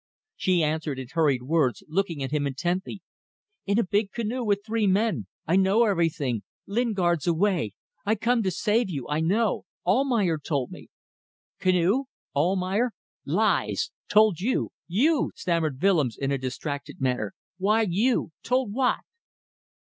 She answered in hurried words, looking at him intently "In a big canoe with three men. I know everything. Lingard's away. I come to save you. I know. ... Almayer told me." "Canoe! Almayer Lies. Told you You!" stammered Willems in a distracted manner. "Why you? Told what?"